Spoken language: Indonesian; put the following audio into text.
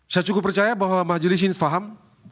saya cukup percaya bahwa majelis ini faham